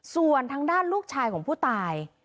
ส่วนทางด้านลูกชายของผู้ตาย